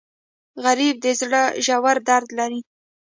غریب د زړه ژور درد لري